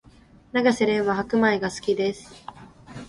永瀬廉は白米が好きです